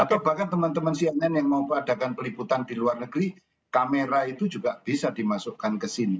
atau bahkan teman teman cnn yang mau adakan peliputan di luar negeri kamera itu juga bisa dimasukkan ke sini